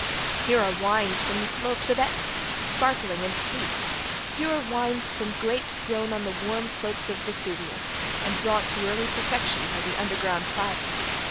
Here are wines from the slopes of Aetna, sparkling and sweet. Here are wines from grapes grown on the warm slopes of Vesuvius, and brought to early perfection by the underground fires.